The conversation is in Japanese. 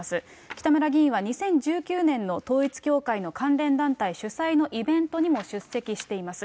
北村議員は２０１９年の統一教会の関連団体主催のイベントにも出席しています。